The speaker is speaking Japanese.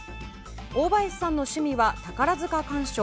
大林さんの趣味は宝塚鑑賞。